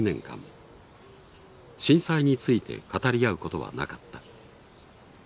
震災について語り合うことはなかった。